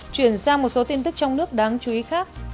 chuyển sang một số tin tức trong nước đáng chú ý khác